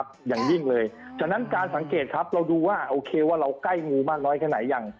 อย่างยิ่งเลยฉะนั้นการสังเกตครับเราดูว่าโอเคว่าเราใกล้งูมากน้อยแค่ไหนยัง